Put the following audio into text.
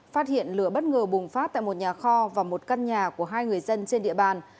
phát hiện lửa bất ngờ bùng phát tại một nhà kho và một căn nhà của hai người dân trên địa bàn